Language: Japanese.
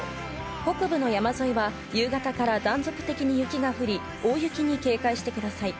北部の山沿いは夕方から断続的に雪が降り、大雪に警戒してください。